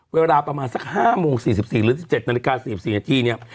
เวลาประมาณสัก๕โมง๔๔หรือ๑๗นาฬิกา๔๔นาทีเนี่ย